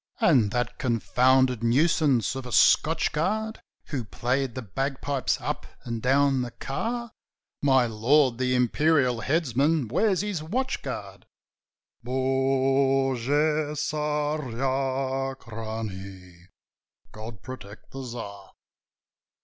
"And that confounded nuisance of a Scotch Guard Who played the bagpipes up and down the car?" "My lord, the imperial headsman wears his watch guard: Bogu Tsarachnie! God protect the Tsar!"